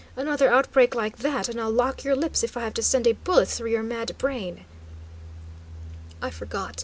Another outbreak like that and I'll lock your lips, if I have to send a bullet through your mad brain!" "I forgot.